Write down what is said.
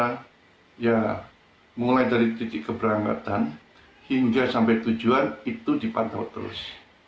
karena mulai dari titik keberangkatan hingga sampai tujuan itu dipantau terus